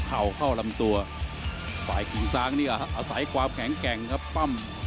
ถ้าอยากได้ต้องขยันกว่านี้นะ